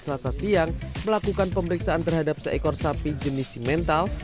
selasa siang melakukan pemeriksaan terhadap seekor sapi jenis simental